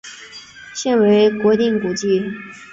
现为国定古迹。